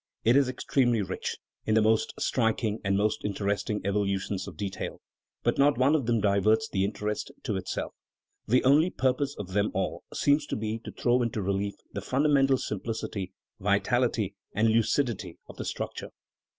It is extremely rich in the most striking and most interesting evolutions of detail; but not one of them diverts the interest to itself; the only purpose of them all seems to be to throw into relief the fun damental simplicity, vitality, and lucidity of the structure.